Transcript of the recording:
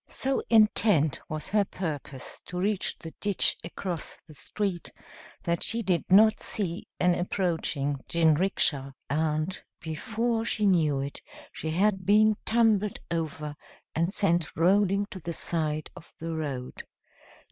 So intent was her purpose to reach the ditch across the street that she did not see an approaching jinrikisha, and before she knew it she had been tumbled over and sent rolling to the side of the road.